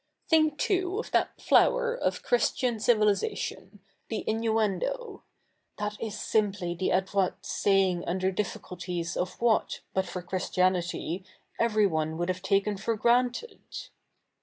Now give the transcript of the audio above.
' TJmik, too, of that flower of Ch7 istian civilisatio7i, the in7iue7ido. That is si77iply the adroit sayiiig U7ider difficulties of what, but for Christiaiiity, everyo72e would have takeii for granted.